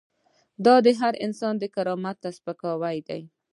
دا د هر انسان کرامت ته سپکاوی دی.